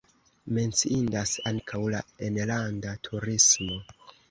Menciindas ankaŭ la enlanda turismo.